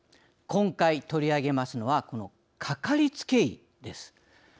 今回取り上げますのはこのかかりつけ医です。